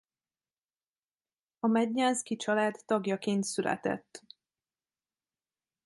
A Mednyánszky család tagjaként született.